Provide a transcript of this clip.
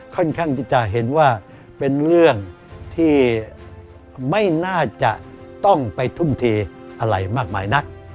ค่อนข้างที่จะเห็นว่าเป็นเรื่องที่ไม่น่าจะต้องไปทุ่มเทอะไรมากมายนัก